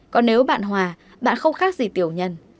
còn nếu bạn hòa bạn không khác gì tiểu nhân